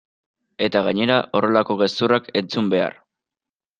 Eta gainera horrelako gezurrak entzun behar!